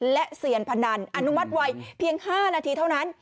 และเซียนพนันอนุมัติวัยเพียง๕นาทีเท่านั้น